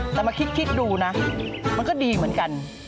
แต่มาคิดดูนะมันก็ดีเหมือนกัน